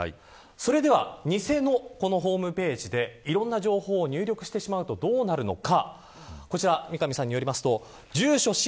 それでは、偽のホームページでいろんな情報を入力してしまうとどうなるのか。